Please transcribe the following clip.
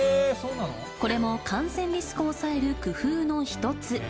これも感染リスクを抑える工夫の一つ。